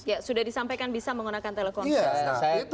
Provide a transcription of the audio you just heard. sudah disampaikan bisa menggunakan telekonferensi